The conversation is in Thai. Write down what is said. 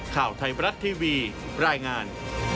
ข่าวไทยบรัฐทีวีรายงาน